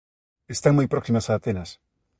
Están moi próximas a Atenas.